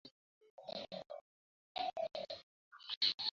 তিনি parallel lives ও Moralia রচনার জন্য প্রসিদ্ধ।